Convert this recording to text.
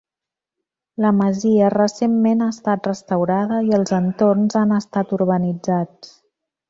La masia recentment ha estat restaurada i els entorns han estat urbanitzats.